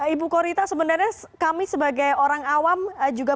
ibu korita sebenarnya kami sebagai orang awam juga